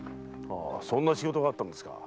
そんな仕事があったんですか。